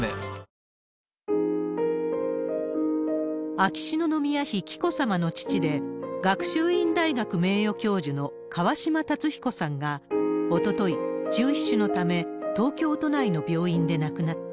秋篠宮妃紀子さまの父で、学習院大学名誉教授の川嶋辰彦さんがおととい、中皮腫のため東京都内の病院で亡くなった。